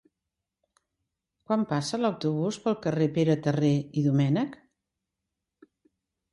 Quan passa l'autobús pel carrer Pere Terré i Domènech?